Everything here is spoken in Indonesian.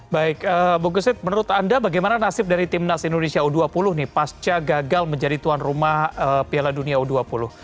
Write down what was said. baik bu gesit menurut anda bagaimana nasib dari timnas indonesia u dua puluh nih pasca gagal menjadi tuan rumah piala dunia u dua puluh